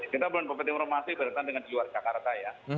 kita belum dapat informasi berkaitan dengan di luar jakarta ya